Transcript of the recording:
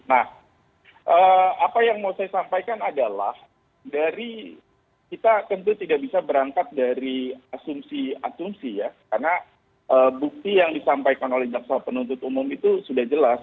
nah apa yang mau saya sampaikan adalah dari kita tentu tidak bisa berangkat dari asumsi asumsi ya karena bukti yang disampaikan oleh jaksa penuntut umum itu sudah jelas